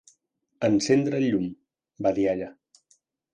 "Encendre el llum", va dir ella.